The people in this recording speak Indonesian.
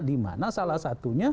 dimana salah satunya